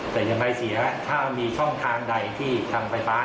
แต่ยังไงเสียถ้ามีช่องทางใดที่ทางไฟฟ้า